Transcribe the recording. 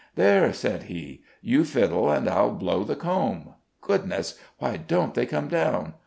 "There!" said he, "you fiddle an' I'll blow the comb. Goodness! why don't they come down?